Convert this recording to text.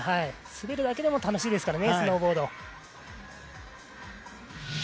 滑るだけでも楽しいですからね、スノーボード。